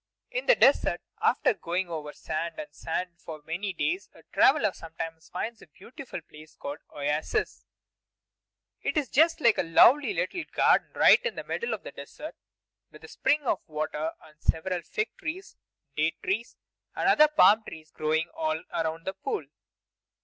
In the desert, after going over sand and sand for many days, a traveler sometimes finds a beautiful place called an oasis. It is just like a lovely little garden right in the middle of the desert, with a spring of water, and several fig trees, date trees, and other palm trees growing all around the pool.